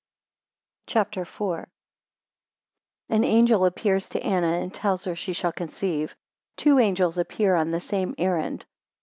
CHAPTER IV. 1 An Angel appears to Anna and tells her she shall conceive; two angels appear on the same errand.